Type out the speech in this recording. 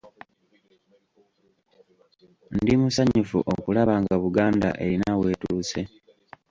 Ndi musanyufu okulaba nga Buganda erina weetuuse.